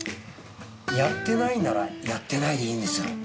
やってないならやってないでいいんですよ。